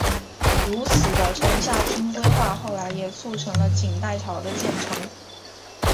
如此的城下町规划后来也促成了锦带桥的建成。